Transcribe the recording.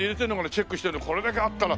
チェックしてこれだけあったら。